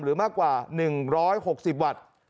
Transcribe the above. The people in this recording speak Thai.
หรือมากกว่า๑๖๐วัตต์